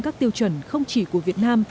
các tiêu chuẩn không chỉ của việt nam